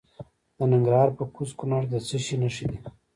د ننګرهار په کوز کونړ کې د څه شي نښې دي؟